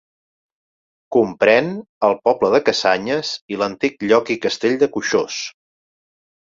Comprèn el poble de Cassanyes i l'antic lloc i castell de Coixós.